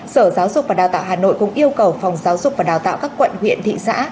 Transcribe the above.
sở giáo dục và đào tạo hà nội cũng yêu cầu phòng giáo dục và đào tạo các quận huyện thị xã